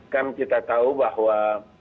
kan kita tahu bahwa